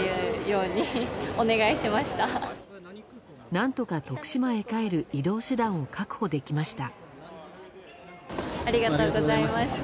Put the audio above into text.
何とか徳島へ帰る移動手段を確保できました。